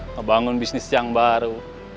ngebangun bisnis yang baru